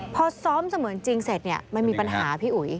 พอซ้อมเสมือนจริงเสร็จเนี่ยมันมีปัญหาพี่อุ๋ย